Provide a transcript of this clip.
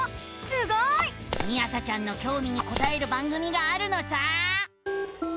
みあさちゃんのきょうみにこたえる番組があるのさ！